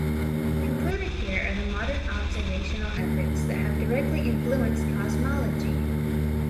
Included here are the modern observational efforts that have directly influenced cosmology.